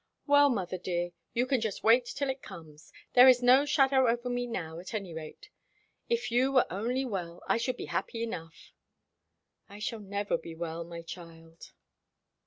"Well, mother dear, you can just wait till it comes. There is no shadow over me now, at any rate. If you were only well, I should be happy enough." "I shall never be well, my child."